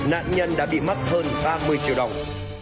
nạn nhân đã bị mất hơn ba mươi triệu đồng